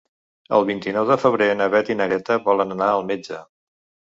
El vint-i-nou de febrer na Beth i na Greta volen anar al metge.